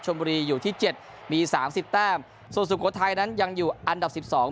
บุรีอยู่ที่เจ็ดมีสามสิบแต้มส่วนสุโขทัยนั้นยังอยู่อันดับสิบสอง